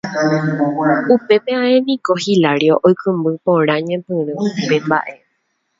Upépe ae niko Hilario oikũmby porã ñepyrũ upe mbaʼe.